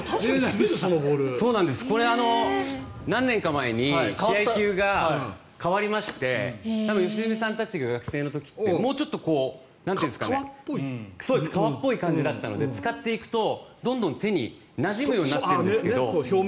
これ、何年か前に試合球が変わりまして多分良純さんが学生の時ってもうちょっと革っぽい感じだったので使っていくとどんどん手になじむようになってるんですけど。